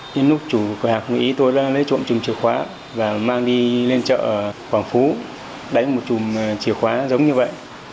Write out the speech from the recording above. nhưng lúc chủ cửa hàng nghĩ tôi đã lấy chùm chìa khóa và mang đi lên chợ ở quảng phú đánh một chùm chìa khóa giống như vậy